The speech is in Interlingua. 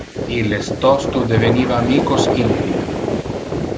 Illes tosto deveniva amicos intime.